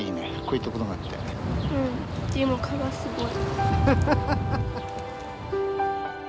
うんでも蚊がすごい。